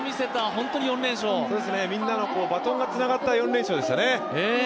本当にみんなのバトンがつながった４連勝でしたね。